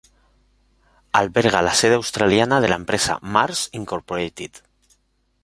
Alberga la sede australiana de la empresa Mars, Incorporated.